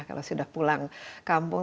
kalau sudah pulang kampung